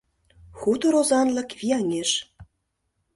Хутор озанлык вияҥеш.